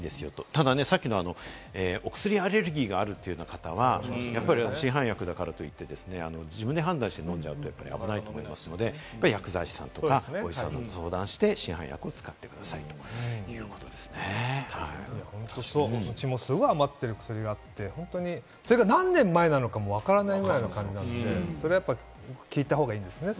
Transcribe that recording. ただ、さっき、薬アレルギーがあるといった方は市販薬だからといって自分で判断して飲んじゃうと危ないと思いますので、やはり薬剤師さんやお医者さんに相談して市販薬を使ってくださいうちもすごい余ってる薬があって、それが何年前なのかもわからないくらいで、やっぱりそれは聞いた方がいいですね。